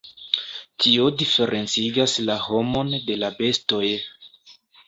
Tio diferencigas la homon de la bestoj.